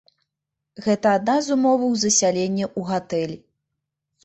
Гэта адна з умоваў засялення ў гатэль.